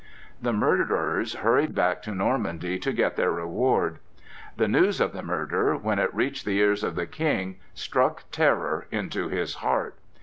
The murderers hurried back to Normandy to get their reward. The news of the murder, when it reached the ears of the King, struck terror into his heart.